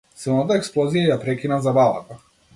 Силната експлозија ја прекина забавата.